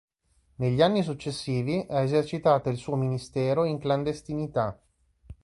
Negli anni successivi ha esercitato il suo ministero in clandestinità.